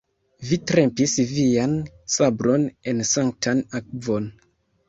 vi trempis vian sabron en sanktan akvon.